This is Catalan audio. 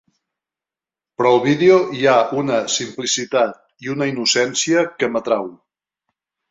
"Però al vídeo hi ha una simplicitat i una innocència que m'atreu.